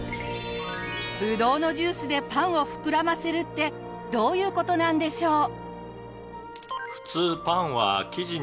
ぶどうのジュースでパンを膨らませるってどういう事なんでしょう？